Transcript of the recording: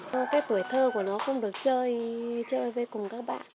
cái tuổi thơ của nó không được chơi chơi với cùng con